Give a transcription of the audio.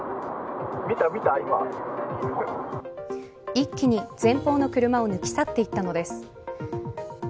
一気に前方の車を抜き去っていったのです。